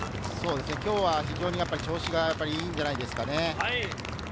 今日は非常に調子がいいんじゃないですかね。